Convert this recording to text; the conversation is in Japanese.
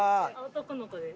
男の子です。